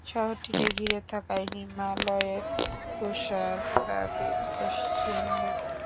শহরটিকে ঘিরে থাকে হিমালয়ের তুষারাবৃত শৃঙ্গ।